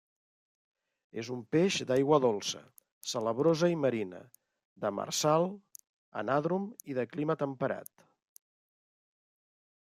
És un peix d'aigua dolça, salabrosa i marina; demersal; anàdrom i de clima temperat.